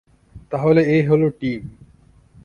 তাহলে, এই হল টিম।